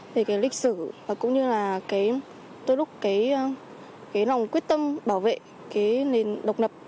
về cái lịch sử và cũng như là cái lúc cái lòng quyết tâm bảo vệ cái nền độc nập